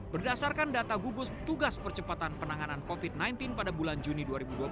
berdasarkan data gugus tugas percepatan penanganan covid sembilan belas pada bulan juni dua ribu dua puluh satu